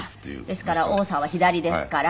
ですから王さんは左ですから。